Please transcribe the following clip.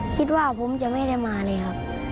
คิดว่าผมจะไม่ได้มาเลยครับ